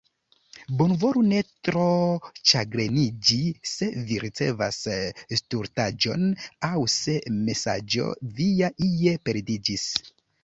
Bonvolu ne tro ĉagreniĝi, se vi ricevas stultaĵon, aŭ se mesaĝo via ie perdiĝis.